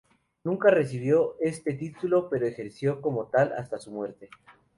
Nunca recibió este título pero ejerció como tal hasta su muerte.